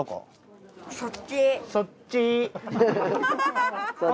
そっちー。